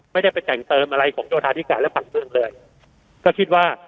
ไม่ได้ไปแต่งเติมอะไรของโยธาธิการและฝั่งเมืองเลยก็คิดว่า